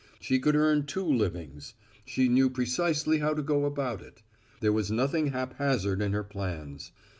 She could earn two livings. She knew precisely how to go about it. There was nothing haphazard in her plans.